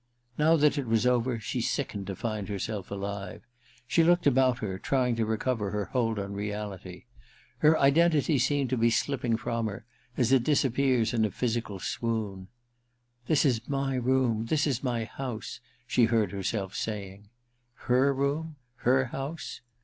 Now that it was over, she sickened to find herself alive. She looked about her, trying to recover her hold on reality. Her identity seemed to be slipping from her, as it disappears in a physical swoon. * This is my room — this is my house,' she heard herself saying. Her room ? Her house